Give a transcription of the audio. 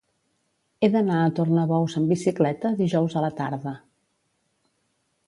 He d'anar a Tornabous amb bicicleta dijous a la tarda.